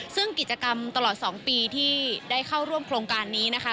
ซึ่งกิจกรรมตลอด๒ปีที่ได้เข้าร่วมโครงการนี้นะคะ